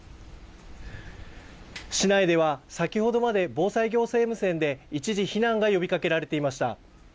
市内では先ほどまで防災行政無線で一時避難が呼びかけられていました。